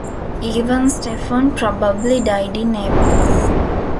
Ivan Stefan probably died in Naples.